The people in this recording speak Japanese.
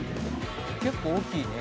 「結構大きいね」